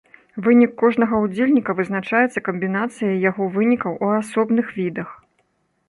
Вынік кожнага ўдзельніка вызначаецца камбінацыяй яго вынікаў у асобных відах.